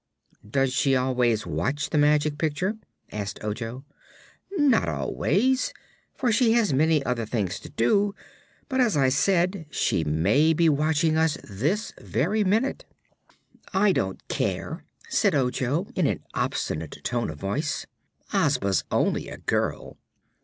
"Does she always watch the Magic Picture?" asked Ojo. "Not always, for she has many other things to do; but, as I said, she may be watching us this very minute." "I don't care," said Ojo, in an obstinate tone of voice; "Ozma's only a girl."